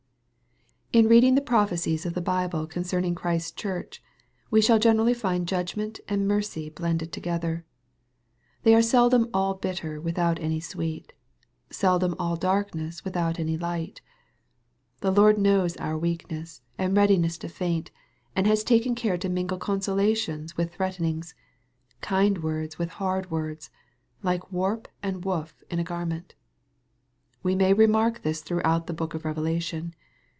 IN reading the prophecies of the Bible concerning Christ's Church, we shall generally find judgment and mercy blended together. They are seldom all bitter without any sweet seldom all darkness without any light. The Lord knows our weakness, and readiness to faint, and has taken care to mingle consolations with threatenings kind words with hard words, like warp and woof in a garment. We may remark this throughout the book of Revelation.